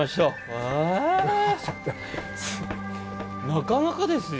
なかなかですよ。